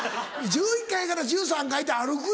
１１階から１３階って歩くよ